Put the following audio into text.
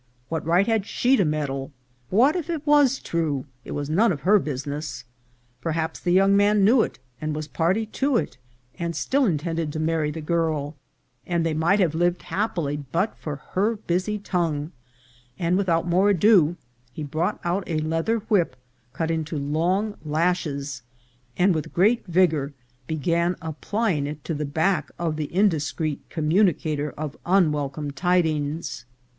what right had she to meddle ? what if it was true ?— it was none of her business. Per haps the young man knew it and was party to it, and still intended to marry the girl, and they might have lived happily but for her busy tongue ; and, without more ado, he brought out a leather whip cut into long lashes, and with great vigour began applying it to the back of the indiscreet communicator of unwelcome ti dings.